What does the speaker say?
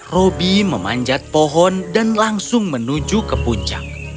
roby memanjat pohon dan langsung menuju ke puncak